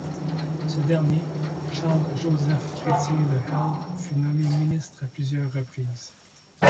Ce dernier, Charles Joseph Chrétien de Hell fut nommé ministre à plusieurs reprises.